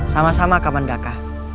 sama sama kaman daka